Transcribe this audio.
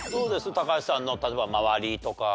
高橋さんの例えば周りとか。